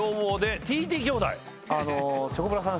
チョコプラさん